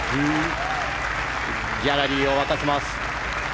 ギャラリーを沸かせます。